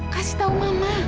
kasih tahu mama